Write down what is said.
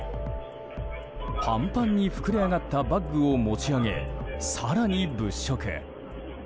パンパンに膨れ上がったバッグを持ち上げ、更に物色。